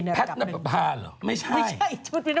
ไม่ใช่